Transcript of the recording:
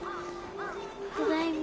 ただいま。